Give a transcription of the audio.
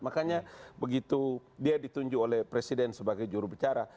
makanya begitu dia ditunjuk oleh presiden sebagai jurubicara